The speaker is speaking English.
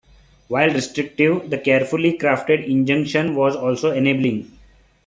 While restrictive, the carefully crafted injunction was also enabling.